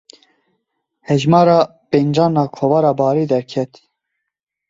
Hejmara pêncan a Kovara Barê derket.